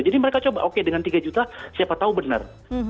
jadi mereka coba oke dengan tiga juta siapa tahu benar